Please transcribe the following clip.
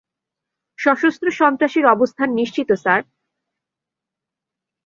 সশস্ত্র সন্ত্রাসীর অবস্থান নিশ্চিত, স্যার।